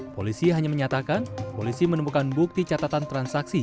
polisi hanya menyatakan polisi menemukan bukti catatan transaksi